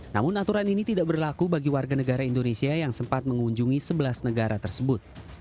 namun aturan ini tidak berlaku bagi warga negara indonesia yang sempat mengunjungi sebelas negara tersebut